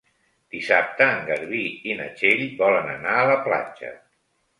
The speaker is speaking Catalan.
Dissabte en Garbí i na Txell volen anar a la platja.